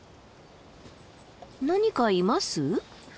何かいます？